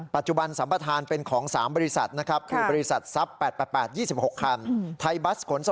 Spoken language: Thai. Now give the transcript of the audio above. ปัจจุบันสัมประทานเป็นของ๓บริษัทนะครับ